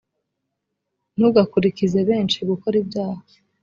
ntugakurikize benshi gukora ibyaha